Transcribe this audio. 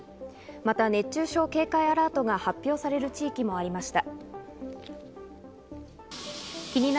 また熱中症警戒アラートが発表される地域もありました。